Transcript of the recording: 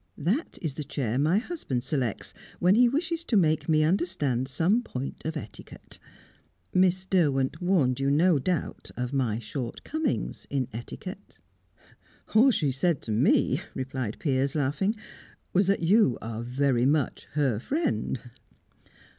That is the chair my husband selects when he wishes to make me understand some point of etiquette. Miss Derwent warned you, no doubt, of my shortcomings in etiquette?" "All she said to me," replied Piers, laughing, "was that you are very much her friend."